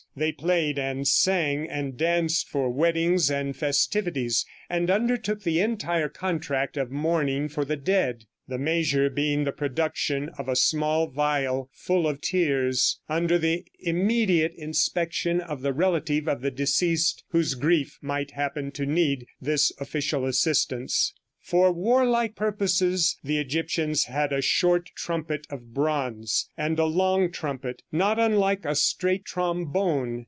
They played and sang and danced for weddings and festivities, and undertook the entire contract of mourning for the dead, the measure being the production of a small vial full of tears, under the immediate inspection of the relative of the deceased whose grief might happen to need this official assistance. For warlike purposes the Egyptians had a short trumpet of bronze, and a long trumpet, not unlike a straight trombone.